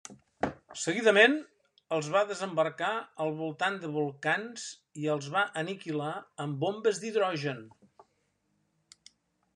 Seguidament, els va desembarcar al voltant de volcans i els va aniquilar amb bombes d'hidrogen.